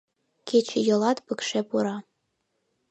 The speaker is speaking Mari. Кечыйолат пыкше пура.